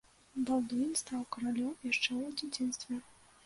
Балдуін стаў каралём яшчэ ў дзяцінстве.